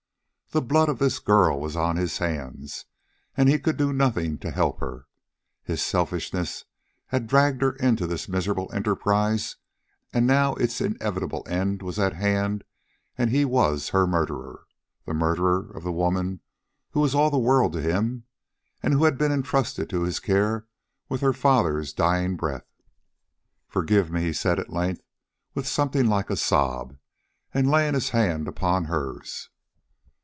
The blood of this girl was on his hands, and he could do nothing to help her. His selfishness had dragged her into this miserable enterprise, and now its inevitable end was at hand and he was her murderer, the murderer of the woman who was all the world to him, and who had been entrusted to his care with her father's dying breath. "Forgive me," he said at length with something like a sob, and laying his hand upon hers.